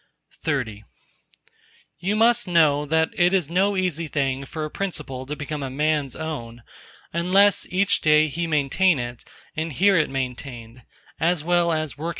XXX You must know that it is no easy thing for a principle to become a man's own, unless each day he maintain it and hear it maintained, as well as work it out in life.